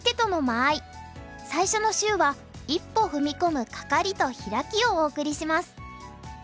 最初の週は「一歩踏み込むカカリとヒラキ」をお送りします。